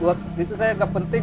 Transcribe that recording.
buat itu saya nggak penting